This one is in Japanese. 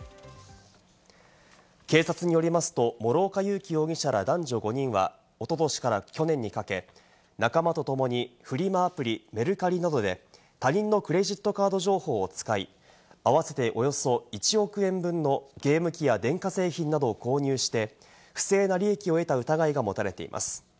警察によりますと、諸岡佑樹容疑者ら男女５人はおととしから去年にかけ、仲間とともにフリマアプリ・メルカリなどで他人のクレジットカード情報を使い、合わせておよそ１億円分のゲーム機や電化製品などを購入して、不正な利益を得た疑いが持たれています。